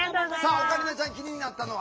オカリナちゃん気になったのは？